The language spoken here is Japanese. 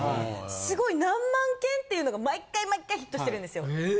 すごい何万件っていうのが毎回毎回ヒットしてるんですよ。え！？